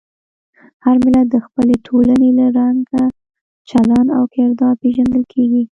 هر ملت د خپلې ټولنې له رنګ، چلند او کردار پېژندل کېږي.